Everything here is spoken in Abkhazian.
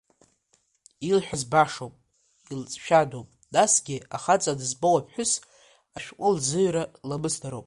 Илҳәаз башоуп, илҵшәадоуп, насгьы ахаҵа дызмоу, аԥҳәыс ашәҟәы лзыҩра ламысдароуп.